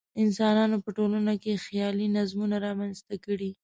انسانانو په ټولنو کې خیالي نظمونه رامنځته کړي.